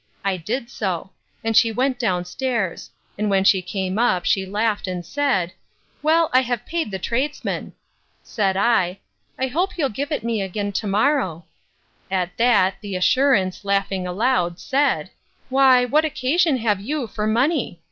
I did so; and she went down stairs: and when she came up, she laughed, and said, Well, I have paid the tradesman. Said I, I hope you'll give it me again to morrow. At that, the assurance, laughing loud, said, Why, what occasion have you for money?